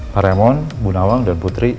pak raymond bu nawang dan putri